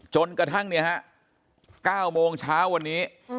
จนกระทั่ง๙โมงเช้าวันนี้